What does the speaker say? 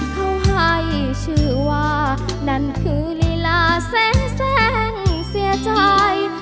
เขาให้ชื่อว่านั่นคือลีลาแสนเสียใจ